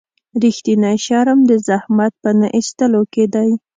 رښتینی شرم د زحمت په نه ایستلو کې دی.